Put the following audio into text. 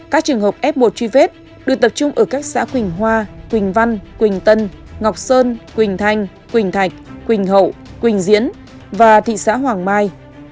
các trường hợp f một truy vết được tập trung ở các xã quỳnh hoa quỳnh văn quỳnh tân ngọc sơn quỳnh thanh quỳnh thạch quỳnh hậu quỳnh diễn và thị xã hoàng mai